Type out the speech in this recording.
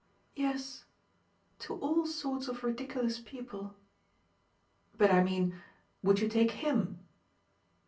"Yes to all sorts of ridiculous people." "But I mean would you take HIM?"